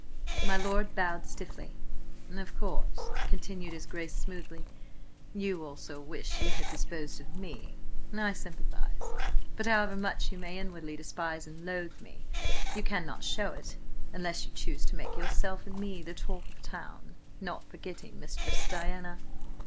My lord bowed stiffly. "Of course," continued his Grace smoothly, "you also wish you had disposed of me. I sympathise. But, however much you may inwardly despise and loathe me, you cannot show it–unless you choose to make yourself and me the talk of town–not forgetting Mistress Diana.